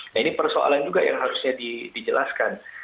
nah ini persoalan juga yang harusnya dijelaskan